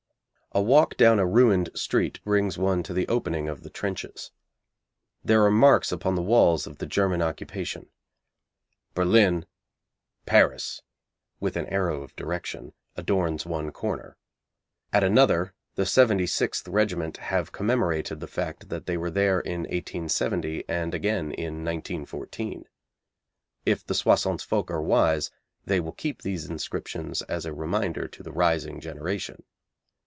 A walk down a ruined street brings one to the opening of the trenches. There are marks upon the walls of the German occupation. 'Berlin Paris,' with an arrow of direction, adorns one corner. At another the 76th Regiment have commemorated the fact that they were there in 1870 and again in 1914. If the Soissons folk are wise they will keep these inscriptions as a reminder to the rising generation.